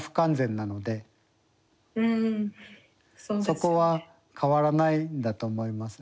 そこは変わらないんだと思います。